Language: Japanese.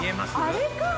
あれか！